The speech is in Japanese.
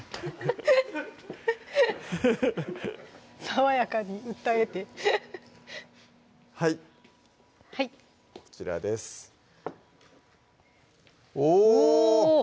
爽やかに訴えてはいこちらですおぉ！